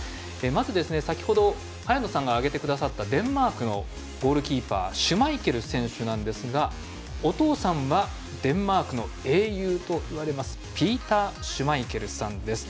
まず、先程早野さんが挙げてくださったデンマークのゴールキーパーシュマイケル選手なんですがお父さんはデンマークの英雄といわれますピーター・シュマイケルさんです。